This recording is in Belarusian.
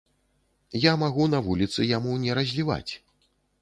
Я магу на вуліцы яму не разліваць.